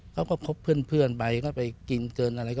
เขาก็พบเพื่อนไปก็ไปกินเกินอะไร